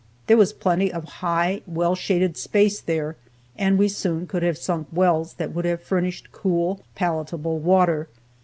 There was plenty of high, well shaded space there, and we soon could have sunk wells that would have furnished cool, palatable water.